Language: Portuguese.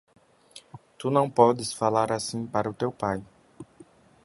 Tu não podes falar assim para o teu pai!